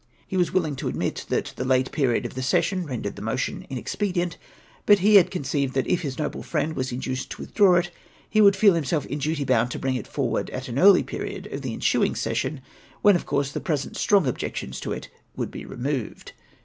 He was willing to admit that the late period of the session rendered the motion inexpe dient ; hut he conceived that if his noble friend was induced to withdraw it, he would feel himself in duty bound to bring it forward at an early period of the ensuing session, when, of course, the present strong objections to it would he re moved.